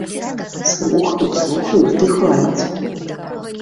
Слухаюць, слухаюць ды хваляць!